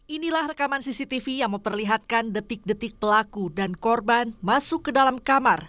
inilah rekaman cctv yang memperlihatkan detik detik pelaku dan korban masuk ke dalam kamar